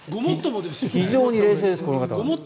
非常に冷静です、この方。